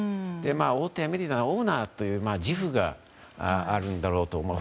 大手メディアのオーナーという自負があるんだと思います。